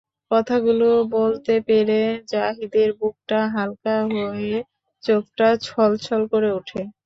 কথাগুলো বলতে পেরে জাহিদের বুকটা হালকা হয়ে চোখটা ছলছল করে ওঠে।